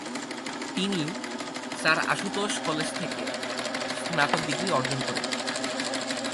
তিনি sir Ashutosh college থেকে স্নাতক ডিগ্রি অর্জন করেন।